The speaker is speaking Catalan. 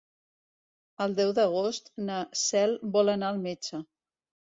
El deu d'agost na Cel vol anar al metge.